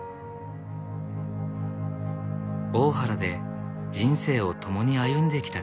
大原で人生を共に歩んできた正さん。